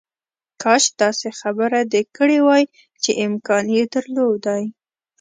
کاش داسې خبره دې کړې وای چې امکان یې درلودای